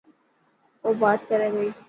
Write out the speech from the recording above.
او بات ڪري پئي.